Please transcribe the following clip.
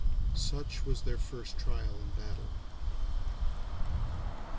Such was their first trial in battle.